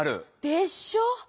でしょ！